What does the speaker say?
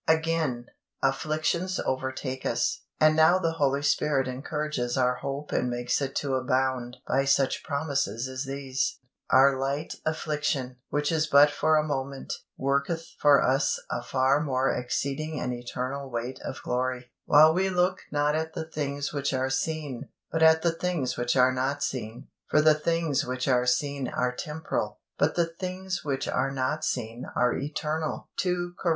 Again, afflictions overtake us, and now the Holy Spirit encourages our hope and makes it to abound by such promises as these: "Our light affliction, which is but for a moment, worketh for us a far more exceeding and eternal weight of glory; while we look not at the things which are seen, but at the things which are not seen: for the things which are seen are temporal, but the things which are not seen are eternal" (2 Cor.